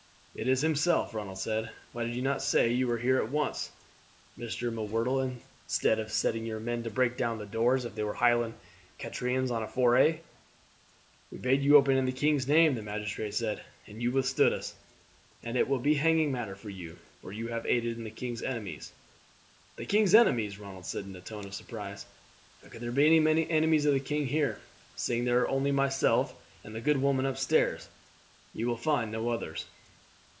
"It is himself." Ronald said. "Why did you not say you were here at once, Mr. M'Whirtle, instead of setting your men to break down the door, as if they were Highland caterans on a foray?" "We bade you open in the king's name," the magistrate said, "and you withstood us, and it will be hanging matter for you, for you have aided the king's enemies." "The king's enemies!" Ronald said in a tone of surprise. "How can there be any enemies of the king here, seeing there are only myself and the good woman up stairs? You will find no others."